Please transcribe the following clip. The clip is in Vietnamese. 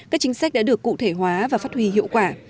các chính sách đã được cụ thể hóa và phát huy hiệu quả